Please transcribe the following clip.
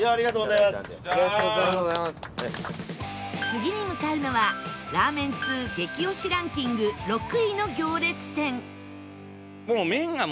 次に向かうのはラーメン通激推しランキング６位の行列店